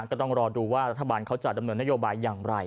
ก็ต้องรอดูว่ารัฐบาลเขาจะดำเนินนโยบายอย่างไร